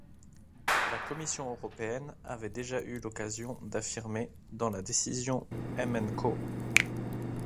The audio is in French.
La Commission européenne avait déjà eu l'occasion d'affirmer, dans la décision M& co.